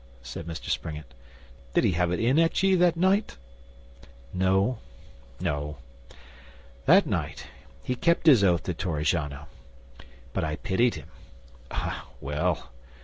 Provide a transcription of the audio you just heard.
said Mr Springett. 'Did he have it in at ye that night?' 'No, no. That time he kept his oath to Torrigiano. But I pitied him. Eh, well!